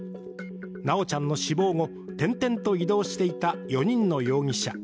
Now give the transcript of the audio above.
修ちゃんの死亡後、転々と移動していた４人の容疑者。